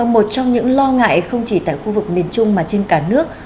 một trong những lo ngại không chỉ tại khu vực miền trung mà trên cả nước